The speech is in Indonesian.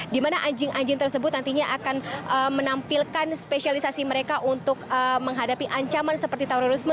dimana anjing anjing tersebut nantinya akan menampilkan spesialisasi mereka untuk menghadapi ancaman seperti terorisme